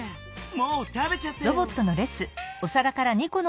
もう食べちゃったよ。